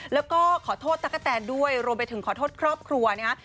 แล้วก็ขอโทษตะกะแตนด้วยรวมไปถึงขอโทษครอบครัวนะฮะ